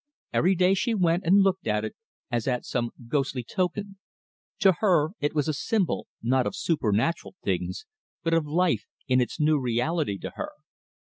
Every day she went and looked at it, as at some ghostly token. To her it was a symbol, not of supernatural things, but of life in its new reality to her.